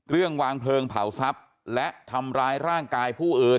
วางเพลิงเผาทรัพย์และทำร้ายร่างกายผู้อื่น